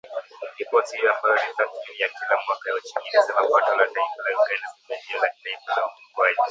Ripoti hiyo, ambayo ni tathmini ya kila mwaka ya uchumi, ilisema pato la taifa la Uganda Pembejeo la Kitaifa la Ukuaji.